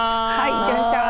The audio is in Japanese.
いってらっしゃい。